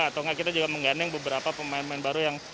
atau enggak kita juga menggandeng beberapa pemain pemain baru yang